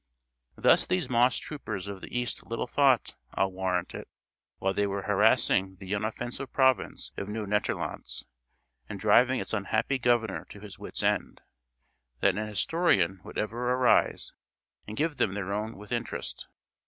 Thus these moss troopers of the east little thought, I'll warrant it, while they were harassing the inoffensive province of Nieuw Nederlandts, and driving its unhappy governor to his wits' end, that an historian would ever arise, and give them their own with interest.